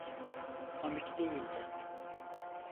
Komik değildi.